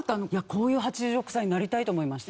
こういう８６歳になりたいと思いました。